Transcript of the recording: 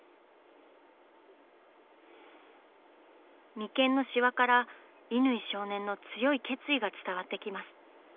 眉間のシワから乾少年の強い決意が伝わってきます。